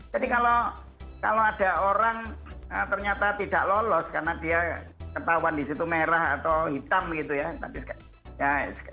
jadi kalau ada orang ternyata tidak lolos karena dia ketahuan di situ merah atau hitam gitu ya